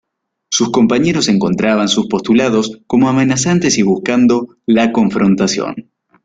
Sus compañeros encontraban sus postulados como amenazantes y buscando la confrontación.